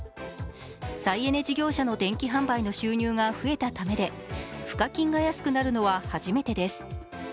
再エネ事業者の電気販売の収入が増えたためで賦課金が安くなるのは初めてです。